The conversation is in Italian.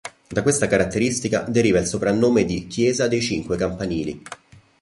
Da questa caratteristica deriva il soprannome di "chiesa dei Cinque Campanili".